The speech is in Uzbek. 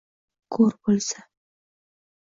Ko‘r bo‘lsa